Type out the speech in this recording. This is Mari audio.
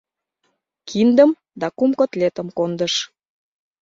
Киндым да кум котлетым кондыш.